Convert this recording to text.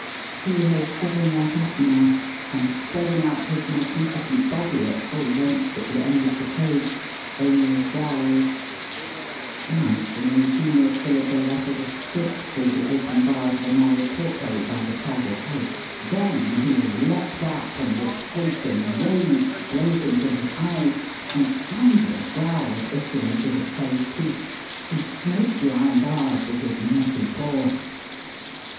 He has given that up now, and, spreading out his magnificent body at full length at the end of the cage, only growls. Once an in Digitized by VjOOQIC BATHING IN THE GANGES. 237 genious villager rattled a stick through, the open bars of a narrow porthole by the tiger's head ; then he leaped up, and, with hate and rage blazing from his eyes and thunderous growls issuing through his closed teeth, he smote the iron bars with his mighty paw.